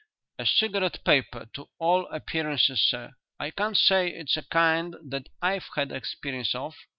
"A cigarette paper to all appearance, sir. I can't say it's a kind that I've had experience of.